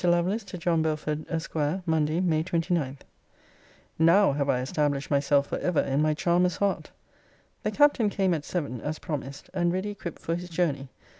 LOVELACE, TO JOHN BELFORD, ESQ. MONDAY, MAY 29. Now have I established myself for ever in my charmer's heart. The Captain came at seven, as promised, and ready equipped for his journey.